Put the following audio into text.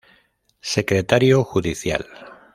Secretario Judicial.